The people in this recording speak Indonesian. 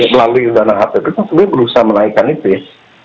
melalui dana hp itu kan sebenarnya berusaha menaikkan itu ya